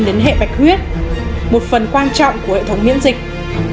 đến hệ bạch huyết một phần quan trọng của hệ thống miễn dịch